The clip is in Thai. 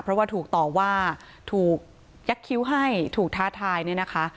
เพราะว่าถูกต่อว่าถูกยักษ์คิ้วให้ถูกท้าทายเนี่ยนะคะ